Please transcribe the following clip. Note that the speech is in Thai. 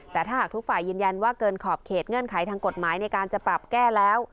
แต่ถ้าหากทุกฝ่ายยืนยันว่าเกินขอบเขตเงื่อนไขทางกฎหมายในการจะปรับแก้แล้ว